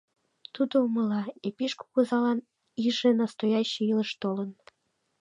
Тудо умыла: Епиш кугызалан иже настоящий илыш толын.